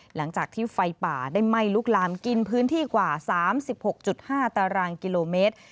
หลังจากที่ไฟป่าได้ไหม้ลุกลามกินพื้นที่กว่า๓๖๕ตารางกิโลเมตร